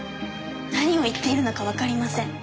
何を言っているのかわかりません。